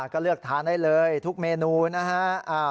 ก็เลือกทานได้เลยทุกเมนูนะฮะ